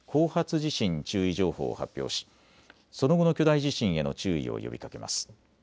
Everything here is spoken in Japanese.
地震注意情報を発表しその後の巨大地震への注意を呼びかけます。